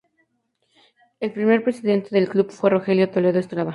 El primer presidente del club fue Rogelio Toledo Estrada.